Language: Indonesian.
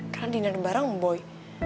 karena diindahin bareng boy